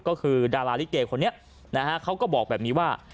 ก็คือดาราลิเกคนนี้นะฮะเขาก็บอกแบบนี้ว่า